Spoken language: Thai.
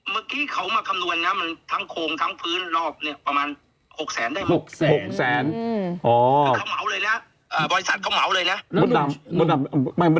เมื่อกี้เขามาคำนวณนะ